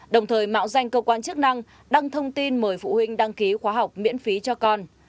đồng thời mạo danh cơ quan chức năng đăng thông tin mời phụ huynh đăng ký khóa học miễn phí cho con